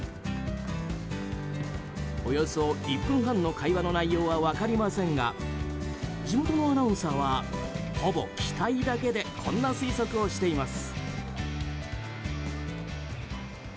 およそ１分半の会話の内容は分かりませんが地元のアナウンサーはほぼ期待だけでこんな推測をしています。